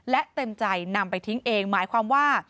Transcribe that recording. และเต็มใจนำไปทิ้งเองหมายความว่า